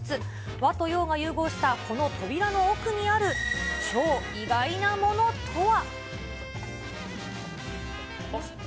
和と洋が融合したこの扉の奥にある超意外なものとは。